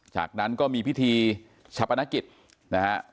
จากนั้นก็มีพิธีฉับประณะกิจนะฮะ